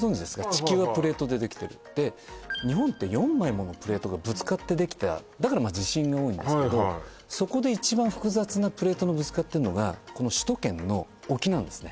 地球はプレートでできてるで日本って４枚ものプレートがぶつかってできただから地震が多いんですけどそこで一番複雑なプレートのぶつかってんのがこの首都圏の沖なんですね